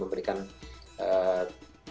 pemerintah masih memberikan